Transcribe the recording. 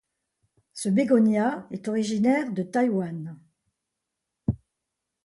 Ce bégonia est originaire de Taïwan.